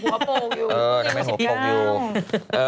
หัวโปกอยู่นางเป็นหัวโปกอยู่